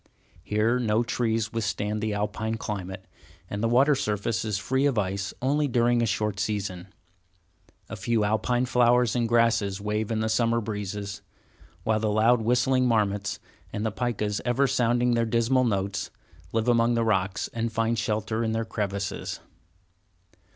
Here, no trees withstand the Alpine climate, and the water surface is free of ice only during a short season. A few Alpine flowers and grasses wave in the summer breezes, while the loud whistling marmots, and the picas ever sounding their dismal notes, live among the rocks, and find shelter in their crevices.